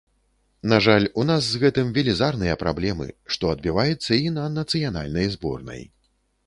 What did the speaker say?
На жаль, у нас з гэтым велізарныя праблемы, што адбіваецца і на нацыянальнай зборнай.